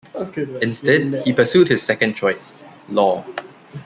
Instead, he pursued his second choice-law.